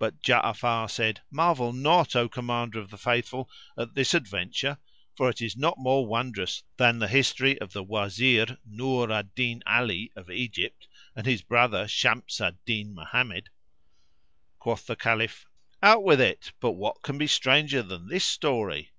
But Ja'afar said, "Marvel not, O Commander of the Faithful, at this adventure, for it is not more wondrous than the History of the Wazir Núr al Dín Ali of Egypt and his brother Shams al Dín Mohammed. — Quoth the Caliph, "Out with it; but what can be stranger than this story?"